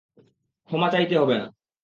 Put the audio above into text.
ক্ষমা চাইতে হবে না।